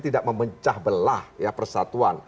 tidak memecah belah persatuan